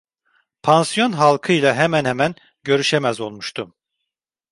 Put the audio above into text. Pansiyon halkıyla hemen hemen görüşemez olmuştum.